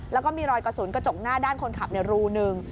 แล้วก็มีรอยกระสุนกระจกหน้าด้านคนขับรูหนึ่ง